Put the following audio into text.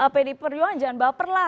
pdi perjuangan jangan baper lah